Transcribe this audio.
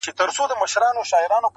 ځاى جوړاوه.